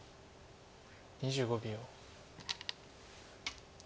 ２５秒。